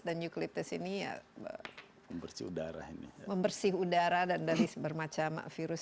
dan eukaliptus ini ya membersih udara dan dari bermacam virus